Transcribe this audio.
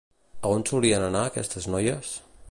A on solien anar aquestes noies?